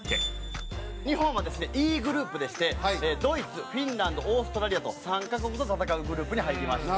日本はですねＥグループでしてドイツフィンランドオーストラリアと３カ国と戦うグループに入りました。